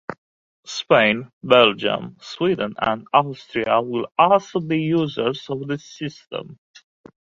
Spain, Belgium, Sweden and Austria will also be users of this system.